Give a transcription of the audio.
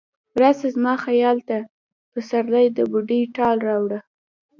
راشه زما خیال ته، پسرلی د بوډۍ ټال راوړه